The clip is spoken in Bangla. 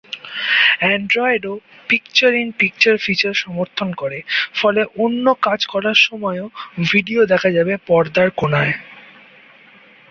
অ্যান্ড্রয়েড ও পিকচার ইন পিকচার ফিচার সমর্থন করে ফলে অন্য কাজ করার সময়ও ভিডিও দেখা যাবে পর্দার কোনায়।